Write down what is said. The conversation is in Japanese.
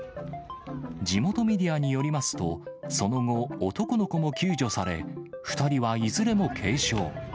地元メディアによりますと、その後、男の子も救助され、２人はいずれも軽傷。